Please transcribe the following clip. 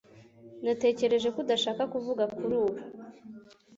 Natekereje ko udashaka kuvuga kuri ubu